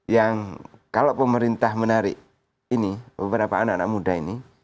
yang kalau pemerintah menarik ini beberapa anak anak muda ini